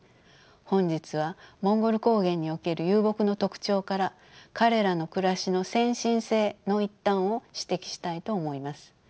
本日はモンゴル高原における遊牧の特徴から彼らの暮らしの先進性の一端を指摘したいと思います。